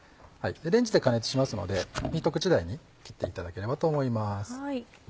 レンジで加熱しますので一口大に切っていただければと思います。